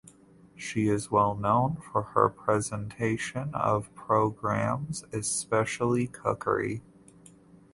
She is well known for her presentation of programmes especially cookery.